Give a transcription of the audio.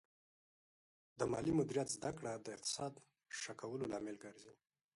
د مالي مدیریت زده کړه د اقتصاد ښه کولو لامل ګرځي.